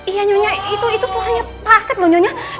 iya nyonya itu suaranya pak asyik loh nyonya